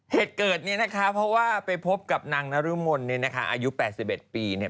เหตุเกิดนี้นะคะเพราะว่าไปพบกับนางนรุมนอายุ๘๑ปี